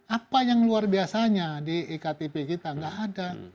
apa yang luar biasanya di iktp kita nggak ada